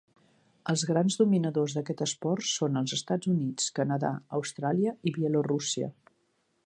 Els grans dominadors d'aquest esport són els Estats Units, Canadà, Austràlia i Bielorússia.